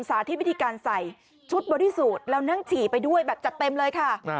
อุตสาธิบทิการใส่ชุดบระดิษฐุแล้วนั่งฉี่ไปด้วยแบบเต็มเลยค่ะ